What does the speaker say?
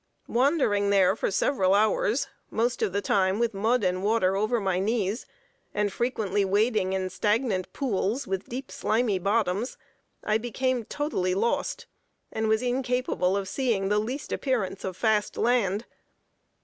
Wandering there for several hours, most of the time with mud and water over my knees, and frequently wading in stagnant pools, with deep slimy bottoms, I became totally lost, and was incapable of seeing the least appearance of fast land.